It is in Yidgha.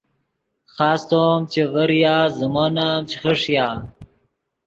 خاستو ام چے ڤریا زیمون ام چے خݰیا